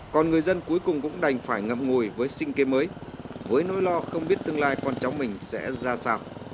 còn người dân cuối cùng cũng đành phải ngậm ngùi với sinh kế mới với nỗi lo không biết tương lai con cháu mình sẽ ra sạc